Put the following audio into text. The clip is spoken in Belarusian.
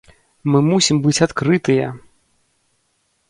Мы мусім быць адкрытыя!